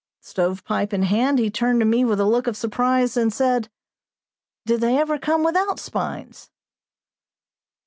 Stove pipe in hand he turned to me with a look of surprise, and said: "Do they ever come without spines?"